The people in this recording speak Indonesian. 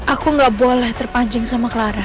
aku gak boleh terpancing sama clara